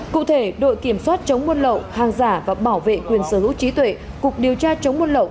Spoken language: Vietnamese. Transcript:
cụ thể đội kiểm soát chống buôn lậu hàng giả và bảo vệ quyền sở hữu trí tuệ cục điều tra chống buôn lậu